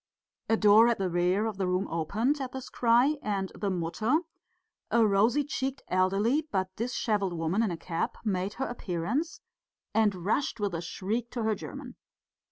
_" A door at the rear of the room opened at this cry, and the Mutter, a rosy cheeked, elderly but dishevelled woman in a cap made her appearance, and rushed with a shriek to her German.